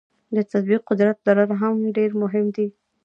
د تطبیق قدرت لرل هم ډیر مهم دي.